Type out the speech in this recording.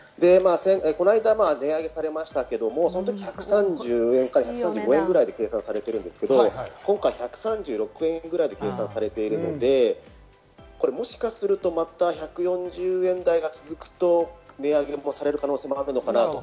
この間、値上げされましたけど、その時、１３４円から１３５円で計算されてますけど、今回１３６円ぐらいで計算されているので、もしかすると、また１４０円台が続くと値上げもされる可能性があるのかなと。